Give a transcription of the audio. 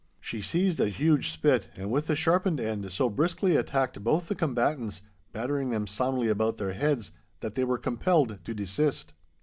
She seized a huge spit, and with the sharpened end so briskly attacked both the combatants, battering them soundly about their heads, that they were compelled to desist.